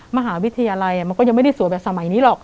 มหาวิทยาลัยมันก็ยังไม่ได้สวยแบบสมัยนี้หรอก